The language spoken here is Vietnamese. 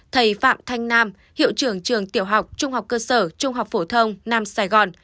thầy phạm thanh nam hiệu trưởng trường tiểu học trung học cơ sở trung học phổ thông nam sài gòn